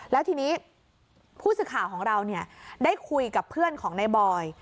แล้วทีนี้ผู้สื่อข่าวของเราได้คุยกับเพื่อนของนายบอย